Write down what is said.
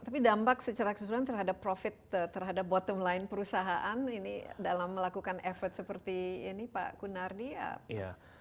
tapi dampak secara keseluruhan terhadap profit terhadap bottom line perusahaan ini dalam melakukan effort seperti ini pak kunardi apa